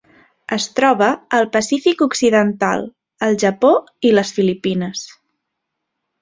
Es troba al Pacífic occidental: el Japó i les Filipines.